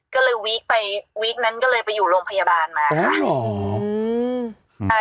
ก็เลยวีคไปวีคนั้นก็เลยไปอยู่โรงพยาบาลมาค่ะ